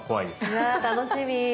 うわ楽しみ。